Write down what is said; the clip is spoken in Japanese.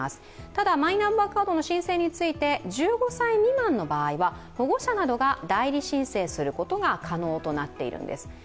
ただ、マイナンバーカードの申請について１５歳未満の場合は保護者などが代理申請することが可能となっているんです。